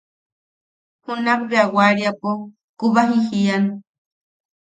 Junakbea wariapo kubaji jian.